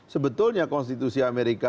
sebetulnya konstitusi amerika